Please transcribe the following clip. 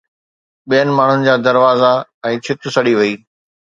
ٻين ماڻهن جا دروازا ۽ ڇت سڙي وئي